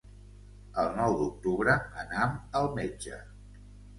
El nou d'octubre anam al metge.